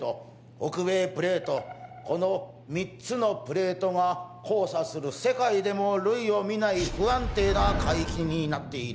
この３つのプレートが交差する世界でも類を見ない不安定な海域になっている